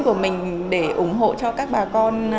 của mình để ủng hộ cho các bà con